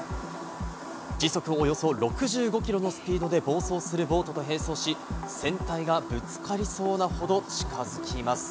時速およそ６５キロのスピードで暴走するボートと並走し、船体がぶつかりそうなほど近づきます。